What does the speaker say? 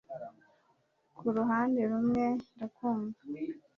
Ku ruhande rumwe ndakumva